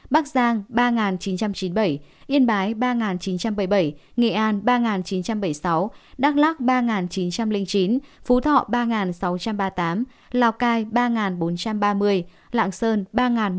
bắc giang ba chín trăm chín mươi bảy yên bái ba chín trăm bảy mươi bảy nghệ an ba chín trăm bảy mươi sáu đắk lắc ba chín trăm linh chín phú thọ ba sáu trăm ba mươi tám lào cai ba bốn trăm ba mươi lạng sơn ba một trăm linh